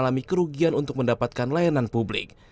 mengalami kerugian untuk mendapatkan layanan publik